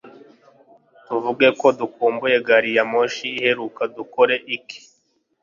Tuvuge ko dukumbuye gari ya moshi iheruka dukore iki